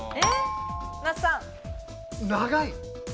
長い。